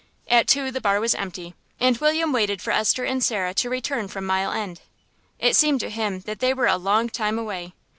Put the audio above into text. At two the bar was empty, and William waited for Esther and Sarah to return from Mile End. It seemed to him that they were a long time away.